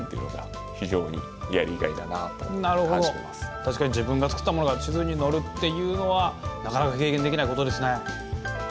確かに自分が作ったものが地図にのるっていうのはなかなか経験できないことですね。